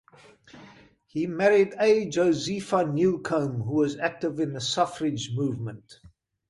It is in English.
He married A. Josepha Newcomb, who was active in the suffrage movement.